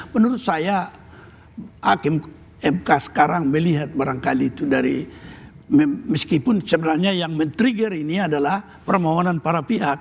menurut saya hakim mk sekarang melihat barangkali itu dari meskipun sebenarnya yang men trigger ini adalah permohonan para pihak